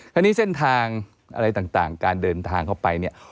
คราวนี้เส้นทางอะไรต่างการเดินทางเข้าไปเนี่ย